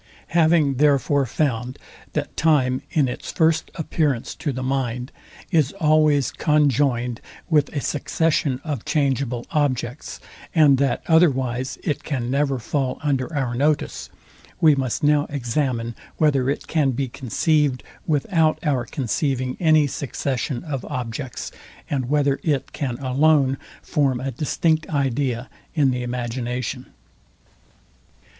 Having therefore found, that time in its first appearance to the mind is always conjoined with a succession of changeable objects, and that otherwise it can never fall under our notice, we must now examine whether it can be conceived without our conceiving any succession of objects, and whether it can alone form a distinct idea in the imagination.